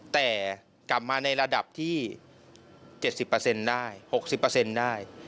แต่กลับมาในระดับที่๗๐เปอร์เซ็นต์ได้๖๐เปอร์เซ็นต์ได้